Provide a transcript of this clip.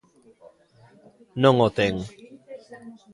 Non o ten.